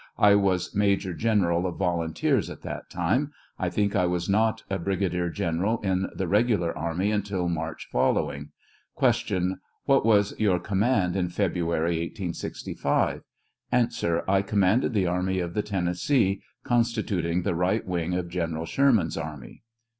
I was Major General of volunteers at that time ; I think I was not a Brigadier General in the regular army until March following. Q. What was your command in February, 1865 ? A. I commanded the army of the Tennessee, consti tuting the right wing of General Sherman's army.